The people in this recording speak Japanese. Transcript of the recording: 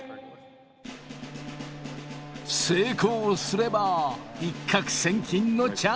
成功すれば一獲千金のチャンスが。